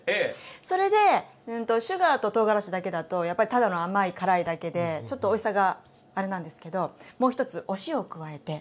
それでシュガーととうがらしだけだとやっぱりただの甘い辛いだけでちょっとおいしさがあれなんですけどもう一つお塩を加えて。